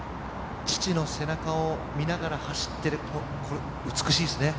父の背中を見ながら走ってる、これ、美しいですね。